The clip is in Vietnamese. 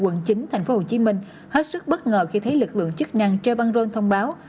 quận chín tp hcm hết sức bất ngờ khi thấy lực lượng chức năng trepanron thông báo